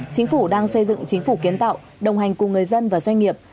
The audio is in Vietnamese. chính phủ đang xây dựng chính phủ kiến tạo đồng hành cùng người dân và doanh nghiệp